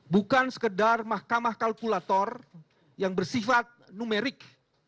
bukan sekedar mahkamah kalkulator yang bersifat numerik